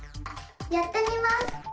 やってみます！